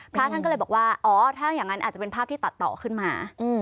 พระท่านก็เลยบอกว่าอ๋อถ้าอย่างนั้นอาจจะเป็นภาพที่ตัดต่อขึ้นมา